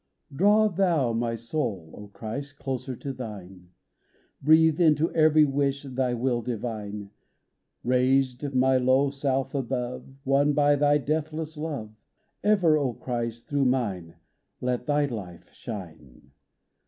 DRAW Thou my soul, O Christ, Closer to Thine ! Breathe into every wish Thy will divine ! Raised my low self above, Won by Thy deathless love, Ever, O Christ, through mine Let Thy life shine